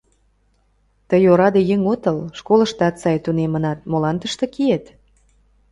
Тый ораде еҥ отыл, школыштат сай тунемынат — молан тыште киет?